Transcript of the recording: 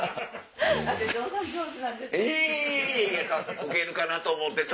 ウケるかなと思って。